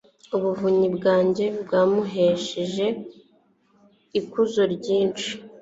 ubuvunyi bwawe bwamuhesheje ikuzo ryinshi